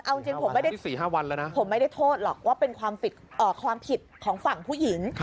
เอาจริงผมไม่ได้ผมไม่ได้โทษหรอกว่าเป็นความผิดของฝั่งผู้หญิง